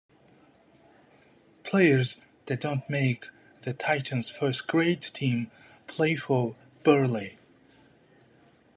Players that don't make the Titans first grade team play for Burleigh.